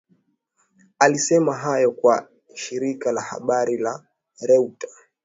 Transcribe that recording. Alisema hayo kwa shirika la habari la Reuta